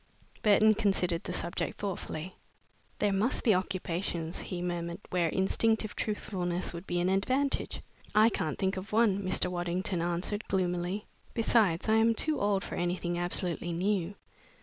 Burton considered the subject thoughtfully. "There must be occupations," he murmured, "where instinctive truthfulness would be an advantage." "I can't think of one," Mr. Waddington answered, gloomily. "Besides, I am too old for anything absolutely new."